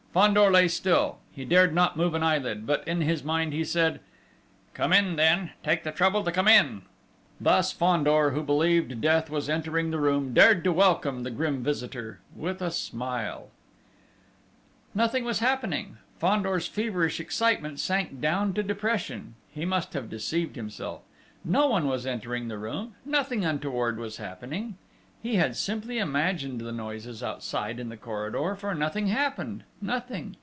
Fandor lay still he dared not move an eyelid; but in his mind he said: "Come in, then! Take the trouble to come in!" Thus Fandor, who believed Death was entering the room, dared to welcome the grim visitor with a smile! Nothing was happening.... Fandor's feverish excitement sank down to depression.... He must have deceived himself no one was entering the room nothing untoward was happening! He had simply imagined the noises outside in the corridor, for nothing happened nothing